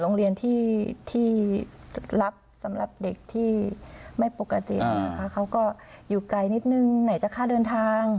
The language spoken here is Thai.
โรงเรียนที่รับสำหรับเด็กที่ไม่ปกตินะคะเขาก็อยู่ไกลนิดนึงไหนจะค่าเดินทาง